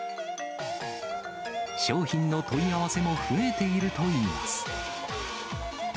商品の問い合わせも増えているといいます。